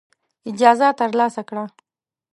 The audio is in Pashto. اجازه ترلاسه کړه.